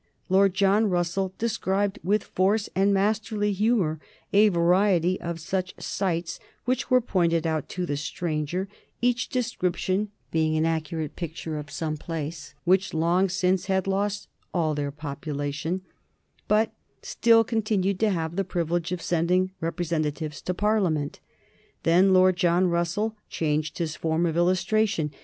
Lord John Russell described with force and masterly humor a variety of such sights which were pointed out to the stranger, each description being an accurate picture of some place which long since had lost all population, but still continued to have the privilege of sending representatives to Parliament. Then Lord John Russell changed his form of illustration.